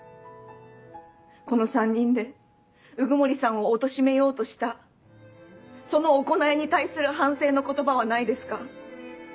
この３人で鵜久森さんをおとしめようとしたその行いに対する反省の言葉はないですか？